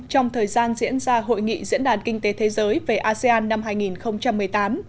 trong thời gian diễn ra hội nghị diễn đàn kinh tế thế giới về asean năm hai nghìn một mươi tám